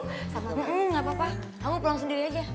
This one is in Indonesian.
gak apa apa kamu pulang sendiri aja